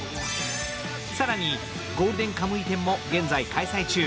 更にゴールデンカムイ展も現在開催中。